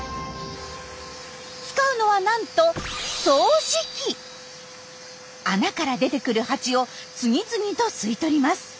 使うのはなんと穴から出てくるハチを次々と吸い取ります。